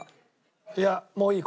いやもういい。